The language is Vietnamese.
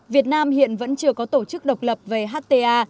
việt nam hiện vẫn chưa có tổ chức độc lập về hta